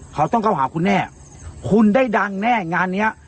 เขาต้องเข้าหาคุณแน่คุณได้ดังแน่งานเนี้ย